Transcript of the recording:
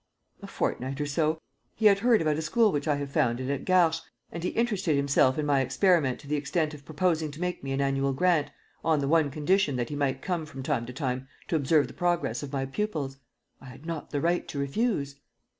"A fortnight or so. He had heard about a school which I have founded at Garches and he interested himself in my experiment to the extent of proposing to make me an annual grant, on the one condition that he might come from time to time to observe the progress of my pupils. I had not the right to refuse.